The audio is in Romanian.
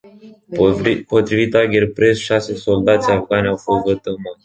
Potrivit Agerpres, șase soldați afgani au fost vătămați.